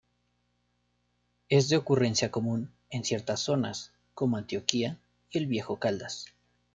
Es de ocurrencia común en ciertas zonas como Antioquia y el Viejo Caldas.